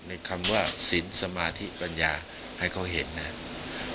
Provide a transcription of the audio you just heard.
คำว่าสินสมาธิปัญญาให้เขาเห็นนะครับ